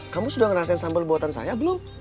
kamu sudah ngerasain sambal buatan saya belum